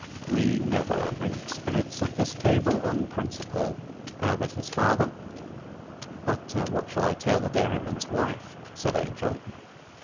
"We never drink spirits at this table, on principle," added his father. "But what shall I tell the dairyman's wife?" said Angel.